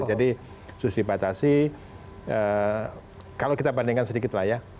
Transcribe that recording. jadi susipatasi kalau kita bandingkan sedikit lah ya